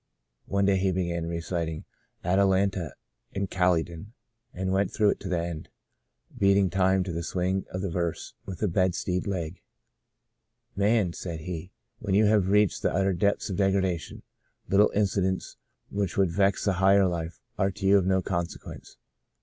One day he began reciting * Atalanta in Caly don,' and went through it to the end, beat ing time to the swing of the verse with a bedstead leg. ...* Man,' said he, * when you have reached the utter depths of degra dation, little incidents which would vex a higher life are to you of no consequence.